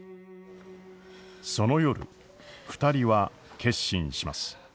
その夜２人は決心します。